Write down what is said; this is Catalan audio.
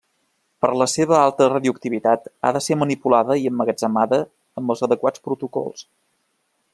Per la seva alta radioactivitat ha de ser manipulada i emmagatzemada amb els adequats protocols.